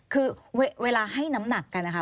คือเวลาให้น้ำหนักกันนะคะ